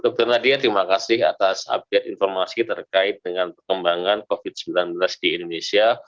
dr nadia terima kasih atas update informasi terkait dengan perkembangan covid sembilan belas di indonesia